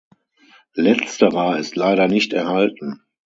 Letzterer ist leider nicht erhalten.